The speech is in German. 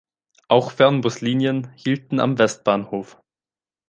Auch Fernbuslinien hielten am Westbahnhof.